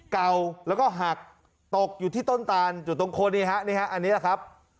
เก่าแล้วก็หักตกอยู่ที่ต้นตานอยู่ตรงโคนนี่ฮะนี่ฮะอันนี้แหละครับ